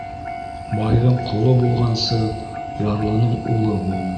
Байҙың ҡоло булғансы, ярлының улы бул.